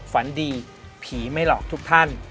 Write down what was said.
ฝันดีผีไม่หลอกทุกท่าน